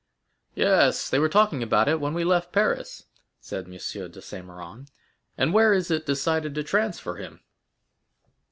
"Yes; they were talking about it when we left Paris," said M. de Saint Méran; "and where is it decided to transfer him?"